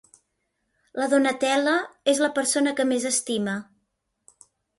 La Donatella és la persona que més estime.